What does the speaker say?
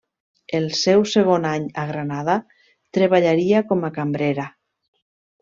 En el seu segon any a Granada treballaria com a cambrera.